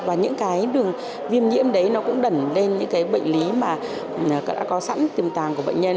và những đường viêm nhiễm đấy cũng đẩn lên những bệnh lý mà đã có sẵn tiềm tàng của bệnh nhân